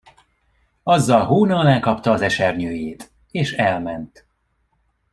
Azzal hóna alá kapta az esernyőjét és elment.